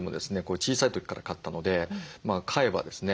小さい時から飼ったので飼えばですね